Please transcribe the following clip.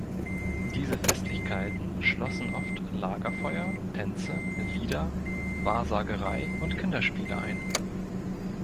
Diese Festlichkeiten schlossen oft Lagerfeuer, Tänze, Lieder, Wahrsagerei und Kinderspiele ein.